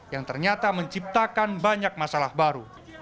yang ternyata menciptakan banyak masalah baru